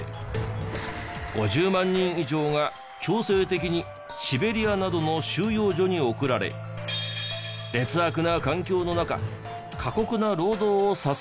５０万人以上が強制的にシベリアなどの収容所に送られ劣悪な環境の中過酷な労働をさせられていたのです。